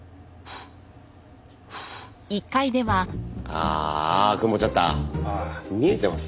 ああ。